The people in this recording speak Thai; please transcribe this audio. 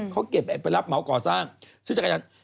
เขาเก็บไปรับเหมาก่อสร้างซื้อจักรยาน